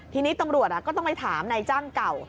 ทีนี้ตำรวจก็ต้องไปถามนายจ้างเก่า